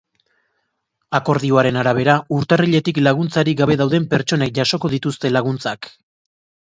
Akordioaren arabera, urtarriletik laguntzarik gabe dauden pertsonek jasoko dituzte laguntzak.